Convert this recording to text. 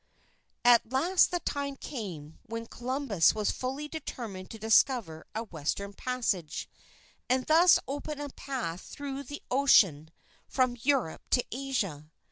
At last the time came, when Columbus was fully determined to discover a Western Passage, and thus open a path through the Ocean from Europe to Asia.